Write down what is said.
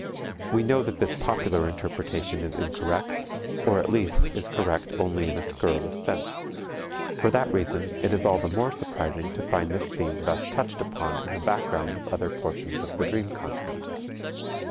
We know that this popular interpretation is incorrect, or at least is correct only in a scurrilous sense. For that reason it is all the more surprising to find this theme thus touched upon in the background of other portions of the dream content.